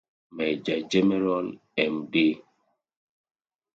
Major General Md.